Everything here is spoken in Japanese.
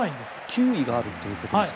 球威があるということですか？